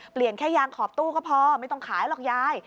เปลี่ยนแค่ยางขอบตู้ก็พอไม่ต้องขายหรอกยาย